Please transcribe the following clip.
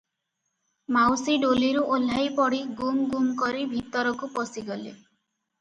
ମାଉସୀ ଡୋଲିରୁ ଓହ୍ଲାଇ ପଡ଼ି ଗୁମ୍ ଗୁମ୍ କରି ଭିତରକୁ ପଶିଗଲେ ।